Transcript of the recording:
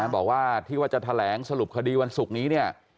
บอกว่าที่ว่าจะแถลงสรุปคดีวันศุกร์นี้เนี่ย